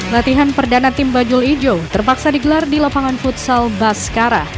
latihan perdana tim bajul ijo terpaksa digelar di lapangan futsal baskara